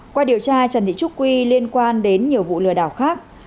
qua điều tra trần thị trúc quy liên quan đến nhiều vụ lừa đảo khác